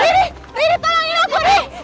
riri tolongin aku